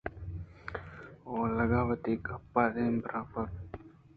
اولگا ءَوتی گپ دیم ءَ بران کُت